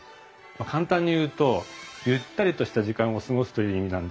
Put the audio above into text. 簡単に言うとゆったりとした時間を過ごすという意味なんです。